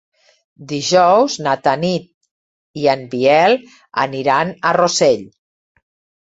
Dijous na Tanit i en Biel aniran a Rossell.